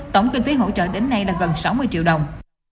tổng kinh phí hỗ trợ đến nay là gần sáu mươi triệu đồng